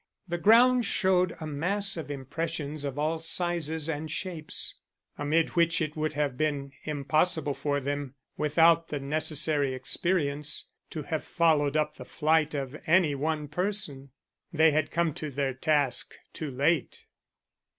The ground showed a mass of impressions of all sizes and shapes, amid which it would have been impossible for them, without the necessary experience, to have followed up the flight of any one person. They had come to their task too late.